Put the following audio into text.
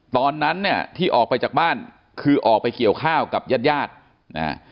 ตอนนั้นที่ออกไปจากบ้านคือออกไปเขียวข้าวกับญาติยาศน์